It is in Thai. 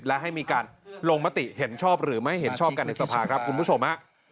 และให้มีการลงมติเห็นชอบหรือไม่เห็นชอบกันในสภาครับคุณผู้ชมฮะ